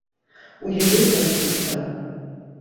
У яе цяжкі стан.